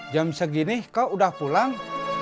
jam segini kau udah pulang